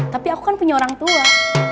tapi aku kan punya orangtua